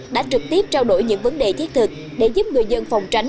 đã trực tiếp trao đổi những vấn đề thiết thực để giúp người dân phòng tránh